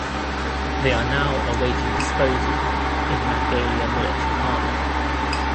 They are now awaiting disposal in Mangalia military harbor.